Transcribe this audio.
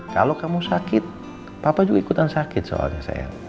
kalau kamu sakit papa juga ikutan sakit soalnya saya